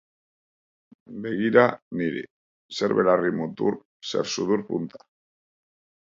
Begira niri, zer belarri mutur, zer sudur punta!